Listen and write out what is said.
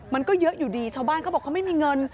มันก็เยอะอยู่ดีชาวบ้านเขาบอกเขาไม่มีเงิน